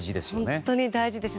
本当に大事です。